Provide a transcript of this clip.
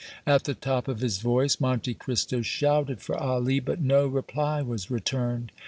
At the top of his voice Monte Cristo shouted for Ali, but no reply was returned.